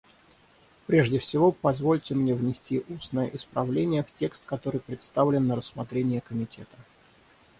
Прежде всего позвольте мне внести устное исправление в текст, который представлен на рассмотрение Комитета.